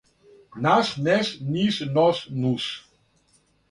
наш неш Ниш нош нуш,